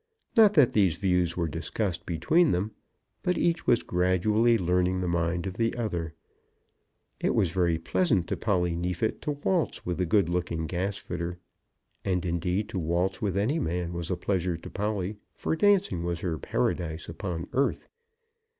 Not that these views were discussed between them, but each was gradually learning the mind of the other. It was very pleasant to Polly Neefit to waltz with the good looking gasfitter; and indeed to waltz with any man was a pleasure to Polly, for dancing was her Paradise upon earth.